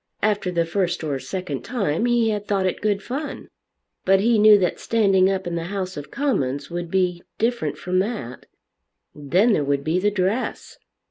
After the first or second time he had thought it good fun. But he knew that standing up in the House of Commons would be different from that. Then there would be the dress!